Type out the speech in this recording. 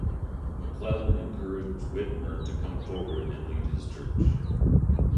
McLellin encouraged Whitmer to come forward and lead his church.